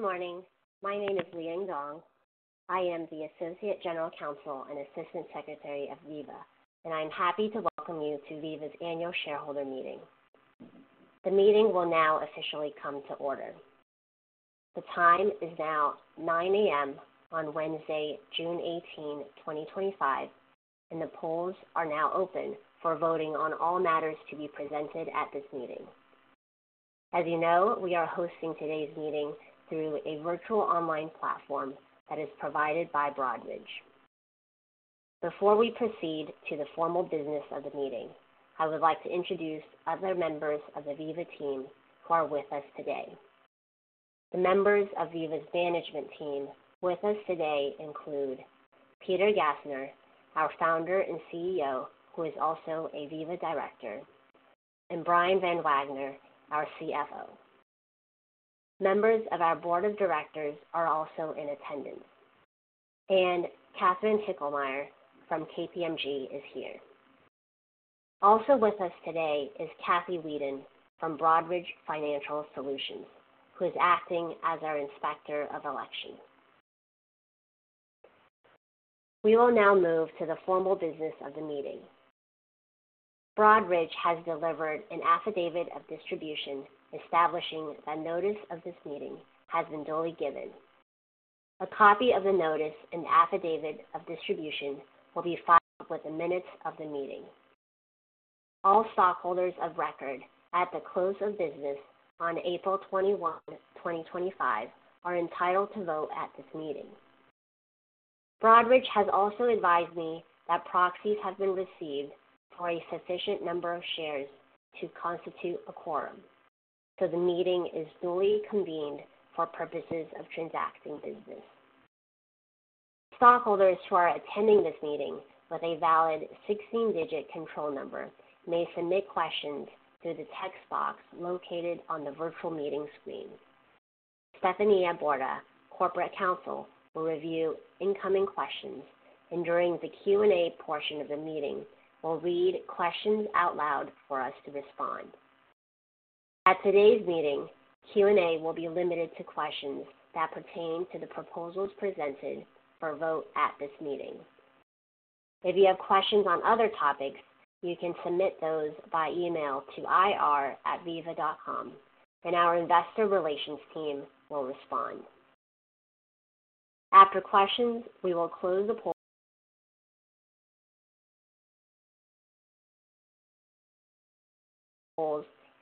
Good morning. My name is Leah Ngong. I am the Associate General Counsel and Assistant Secretary of Veeva, and I'm happy to welcome you to Veeva's annual shareholder meeting. The meeting will now officially come to order. The time is now 9:00 A.M. on Wednesday, June 18, 2025, and the polls are now open for voting on all matters to be presented at this meeting. As you know, we are hosting today's meeting through a virtual online platform that is provided by Broadridge. Before we proceed to the formal business of the meeting, I would like to introduce other members of the Veeva team who are with us today. The members of Veeva's management team with us today include Peter Gassner, our founder and CEO, who is also a Veeva director, and Brian Van Wagner, our CFO. Members of our board of directors are also in attendance, and Catherine Hickelmeyer from KPMG is here. Also with us today is Kathy Wieden from Broadridge Financial Solutions, who is acting as our inspector of elections. We will now move to the formal business of the meeting. Broadridge has delivered an affidavit of distribution establishing that notice of this meeting has been duly given. A copy of the notice and affidavit of distribution will be filed with the minutes of the meeting. All stockholders of record at the close of business on April 21, 2025, are entitled to vote at this meeting. Broadridge has also advised me that proxies have been received for a sufficient number of shares to constitute a quorum, so the meeting is duly convened for purposes of transacting business. Stockholders who are attending this meeting with a valid 16-digit control number may submit questions through the text box located on the virtual meeting screen. Stephanie Aborta, Corporate Counsel, will review incoming questions, and during the Q&A portion of the meeting, will read questions out loud for us to respond. At today's meeting, Q&A will be limited to questions that pertain to the proposals presented for vote at this meeting. If you have questions on other topics, you can submit those by email to ir@veeva.com, and our investor relations team will respond. After questions, we will close the polls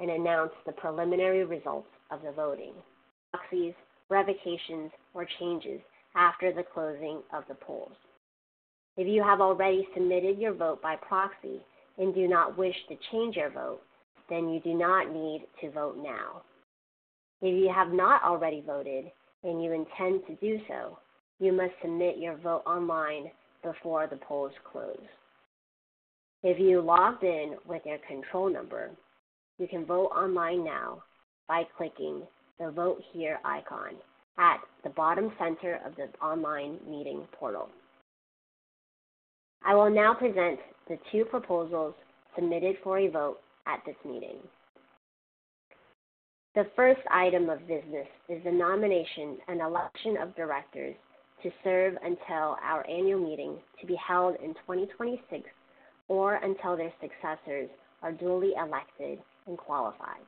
and announce the preliminary results of the voting, proxies, revocations, or changes after the closing of the polls. If you have already submitted your vote by proxy and do not wish to change your vote, then you do not need to vote now. If you have not already voted and you intend to do so, you must submit your vote online before the polls close. If you logged in with your control number, you can vote online now by clicking the Vote Here icon at the bottom center of the online meeting portal. I will now present the two proposals submitted for a vote at this meeting. The first item of business is the nomination and election of directors to serve until our annual meeting to be held in 2026 or until their successors are duly elected and qualified.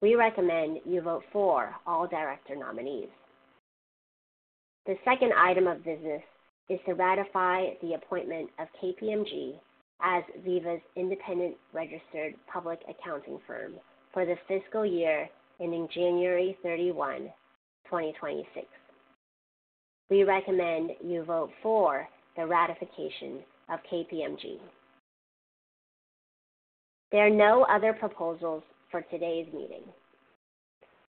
We recommend you vote for all director nominees. The second item of business is to ratify the appointment of KPMG as Veeva's independent registered public accounting firm for the fiscal year ending January 31, 2026. We recommend you vote for the ratification of KPMG. There are no other proposals for today's meeting.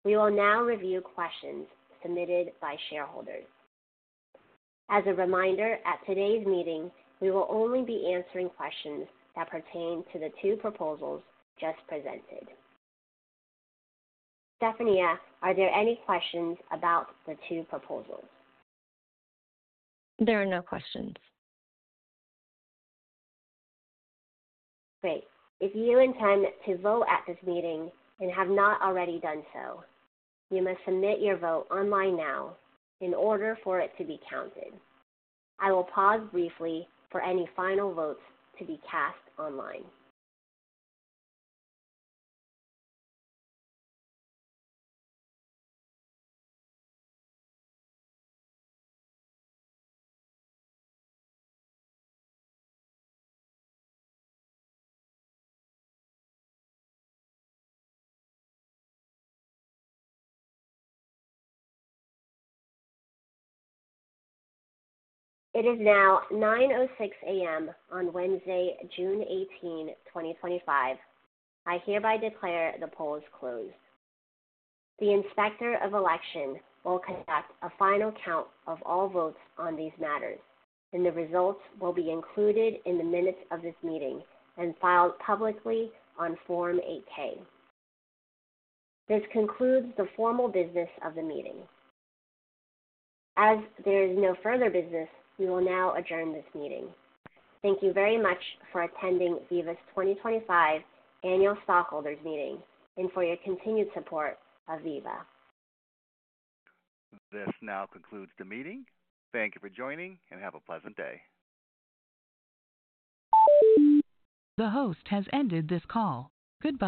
We will now review questions submitted by shareholders. As a reminder, at today's meeting, we will only be answering questions that pertain to the two proposals just presented. Stephanie, are there any questions about the two proposals? There are no questions. Great. If you intend to vote at this meeting and have not already done so, you must submit your vote online now in order for it to be counted. I will pause briefly for any final votes to be cast online. It is now 9:06 A.M. on Wednesday, June 18, 2025. I hereby declare the polls closed. The inspector of election will conduct a final count of all votes on these matters, and the results will be included in the minutes of this meeting and filed publicly on Form 8-K. This concludes the formal business of the meeting. As there is no further business, we will now adjourn this meeting. Thank you very much for attending Veeva's 2025 annual stockholders meeting and for your continued support of Veeva. This now concludes the meeting. Thank you for joining and have a pleasant day. The host has ended this call. Good.